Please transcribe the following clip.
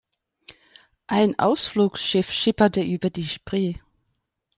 Ein Ausflugsschiff schipperte über die Spree.